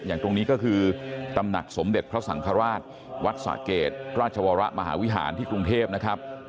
ตรงนี้ก็คือตำหนักสมเด็จพระสังฆราชวัดสะเกดราชวรมหาวิหารที่กรุงเทพนะครับ